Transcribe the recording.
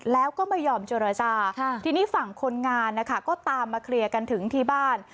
แล้วก็ไม่ยอมเจรจาทีนี้ฝั่งคนงานนะคะก็ตามมาเคลียร์กันถึงที่บ้าน